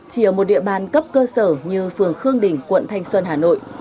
chỉ ở một địa bàn cấp cơ sở như phường khương đình quận thanh xuân hà nội